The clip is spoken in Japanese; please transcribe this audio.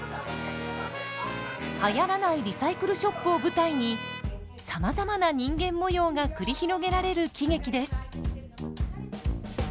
はやらないリサイクルショップを舞台にさまざまな人間模様が繰り広げられる喜劇です。